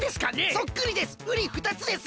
そっくりです！